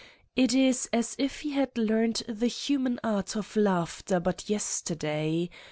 It is as if he had learned the human art of laugh ter but yesterday.